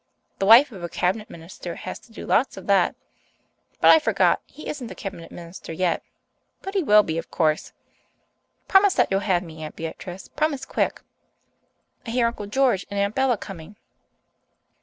The wife of a cabinet minister has to do lots of that. But I forgot he isn't a cabinet minister yet. But he will be, of course. Promise that you'll have me, Aunt Beatrice, promise quick. I hear Uncle George and Aunt Bella coming."